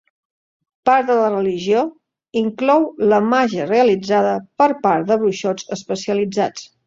Part de la religió inclou la màgia realitzada per part de bruixots especialitzats.